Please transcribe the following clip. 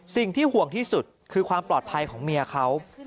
สิ่งที่ห่วงที่สุดคือความปลอดภัยของเมียเขา